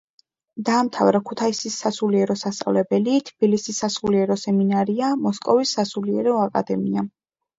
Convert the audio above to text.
დაამთავრა ქუთაისის სასულიერო სასწავლებელი, თბილისის სასულიერო სემინარია, მოსკოვის სასულიერი აკადემია.